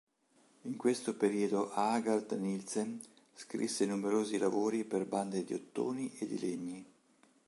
In questo periodo Aagaard-Nilsen scrisse numerosi lavori per bande di ottoni e di legni.